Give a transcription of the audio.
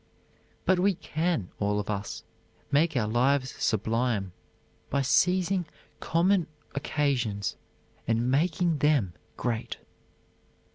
But we can all of us make our lives sublime, by seizing common occasions and making them great.